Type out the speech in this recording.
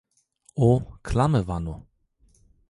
O kilame vano